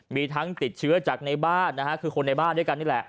มีทั้งติดเชื้อจากในบ้านนะฮะคือคนในบ้านด้วยกันนี่แหละ